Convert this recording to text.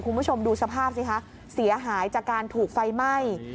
คุณผู้ชมดูสภาพสิคะเสียหายจากการถูกไฟไหม้